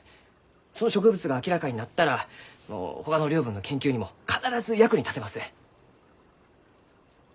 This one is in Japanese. その植物が明らかになったらほかの領分の研究にも必ず役に立てます。